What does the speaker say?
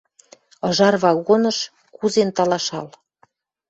Ыжар вагоныш кузен талашал.